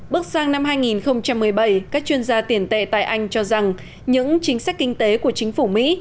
bước sang năm hai nghìn một mươi bảy các chuyên gia tiền tệ tại anh cho rằng những chính sách kinh tế của chính phủ mỹ